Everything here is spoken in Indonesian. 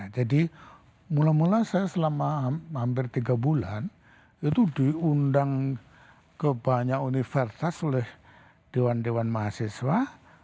jadi mula mula saya selama hampir tiga bulan itu diundang ke banyak universitas oleh dewan dewan mahasiswa